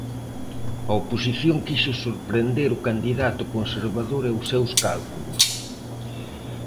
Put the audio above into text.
A oposición quixo sorprender o candidato conservador e os seus cálculos.